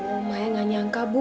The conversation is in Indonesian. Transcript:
oh mai ga nyangka bu